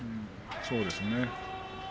そうですね。